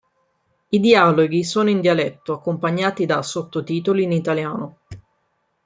I dialoghi sono in dialetto, accompagnati da "sottotitoli" in italiano.